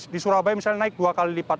di surabaya misalnya naik dua kali lipat